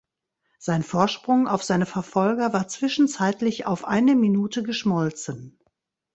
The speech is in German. Sein Vorsprung auf seine Verfolger war zwischenzeitlich auf eine Minute geschmolzen.